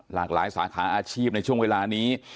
หลากหลายสาขาอาชีพในช่วงเวลานี้